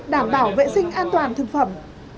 đảm bảo vệ sinh an toàn thực phẩm